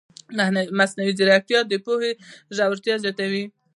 مصنوعي ځیرکتیا د پوهې ژورتیا زیاتوي.